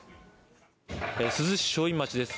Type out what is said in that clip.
珠洲市正院町です。